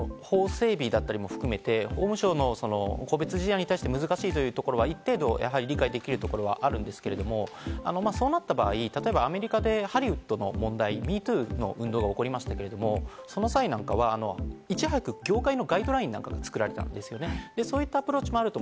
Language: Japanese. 法整備だったりも含めて、法務省の個別事案に対して難しいというところは一定程度理解できるところはあるんですけれども、そうなった場合、アメリカでハリウッドの問題、「＃ＭｅＴｏｏ」運動が起こりましたけれども、その際なんかはいち早く業界のガイドラインなんかが作られたんですよね。